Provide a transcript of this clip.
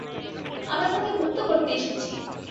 আমরা তোমাকে মুক্ত করতে এসেছি।